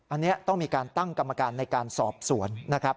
อันนี้ต้องมีการตั้งกรรมการในการสอบสวนนะครับ